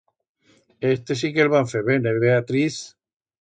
Este sí que el va fer ben, eh, Beatriz?